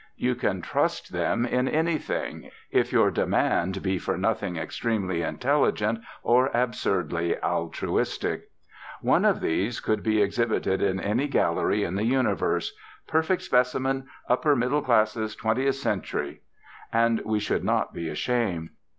You can trust them in anything, if your demand be for nothing extremely intelligent or absurdly altruistic. One of these could be exhibited in any gallery in the universe, 'Perfect Specimen; Upper Middle Classes; Twentieth Century' and we should not be ashamed.